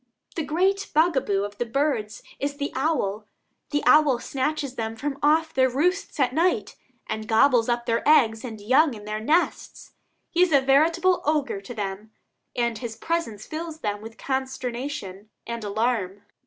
The great bugaboo of the birds is the owl. The owl snatches them from off their roosts at night, and gobbles up their eggs and young in their nests. He is a veritable ogre to them, and his presence fills them with consternation and alarm.